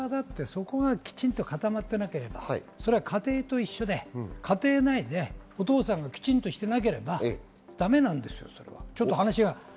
そこがきちんと固まっていなければ家庭と一緒で、家庭内でお父さんがきちんとしていなければダメです。